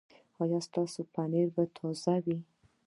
ایا ستاسو پنیر به تازه وي؟